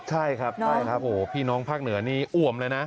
ใช่ครับใช่ครับโอ้โหพี่น้องภาคเหนือนี่อ่วมเลยนะ